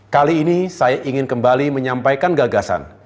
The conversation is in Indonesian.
kali ini saya ingin kembali menyampaikan gagasan